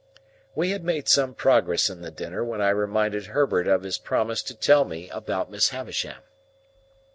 We had made some progress in the dinner, when I reminded Herbert of his promise to tell me about Miss Havisham.